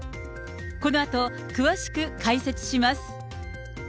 このあと詳しく解説します。